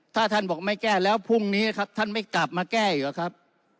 ท่านบอกไม่แก้แล้วพรุ่งนี้ท่านไม่กลับมาแก้หรือครับ